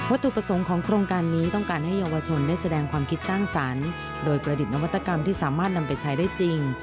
ตุประสงค์ของโครงการนี้ต้องการให้เยาวชนได้แสดงความคิดสร้างสรรค์โดยประดิษฐนวัตกรรมที่สามารถนำไปใช้ได้จริง